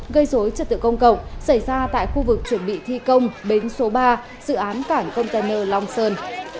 gây dối trật tự công cộng xảy ra tại khu vực chuẩn bị thi công bến số ba dự án cảng container long sơn